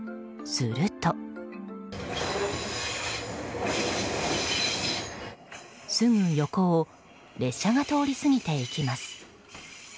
すぐ横を列車が通り過ぎていきます。